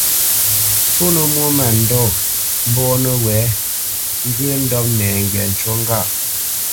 Ntsónə́ mwô mândɔ̂ mbɔ̂ nəwɛ̌, ŋgyə̂ ndɔ́p nɛŋgywa ncú ŋgâʼ.